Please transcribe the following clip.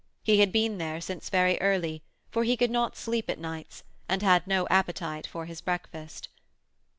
He had been there since very early, for he could not sleep at nights, and had no appetite for his breakfast.